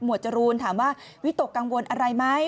จรูนถามว่าวิตกกังวลอะไรไหม